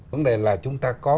vấn đề là chúng ta có